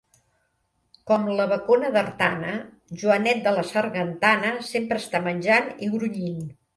Com la bacona d'Artana, Joanet de la Sargantana sempre està menjant i grunyint.